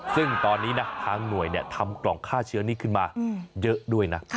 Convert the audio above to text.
ซึ่งตอนนี้นะทางหน่วยทำกล่องฆ่าเชื้อนี่ขึ้นมาเยอะด้วยนะ